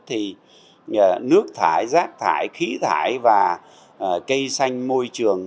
thì nước thải rác thải khí thải và cây xanh môi trường